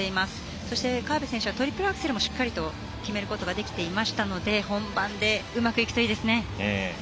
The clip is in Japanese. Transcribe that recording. そして、河辺選手はトリプルアクセルもしっかりと決めることができていましたので本番でうまくいくといいですね。